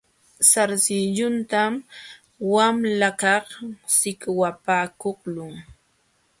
Sarsilluntam wamlakaq shikwapakuqlun.